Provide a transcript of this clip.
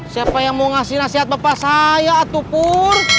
siapa yang mau ngasih nasihat bapak saya atuh pur